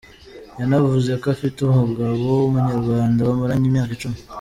Yanavuze ko afite umugabo w’Umunyarwanda bamaranye imyaka icumi.